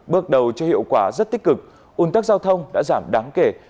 bước đầu cho hiệu quả rất tích cực un tắc giao thông đã giảm đáng kể